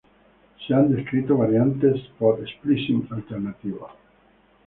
Se han descrito variantes por splicing alternativo.